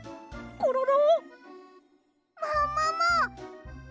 コロロ？